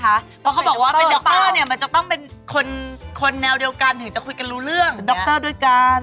เพราะเขาบอกว่าเป็นดรเนี่ยมันจะต้องเป็นคนแนวเดียวกันถึงจะคุยกันรู้เรื่องดรด้วยกัน